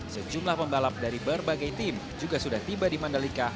sejumlah pembalap dari berbagai tim juga sudah tiba di mandalika